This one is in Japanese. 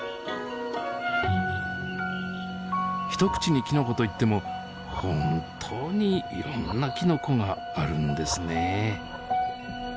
一口にきのこといっても本当にいろんなきのこがあるんですね。